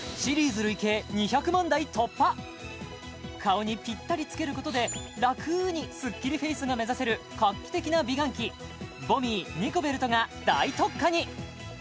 そうやねん顔にぴったりつけることで楽にスッキリフェイスが目指せる画期的な美顔器ＶＯＮＭＩＥニコベルトが大特価に！